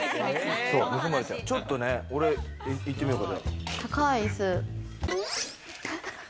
ちょっと、俺、行ってみようか。